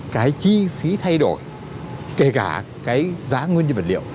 cái chi phí thay đổi kể cả cái giá nguyên nhân vật liệu